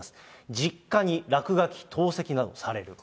実家に落書き、投石などされる。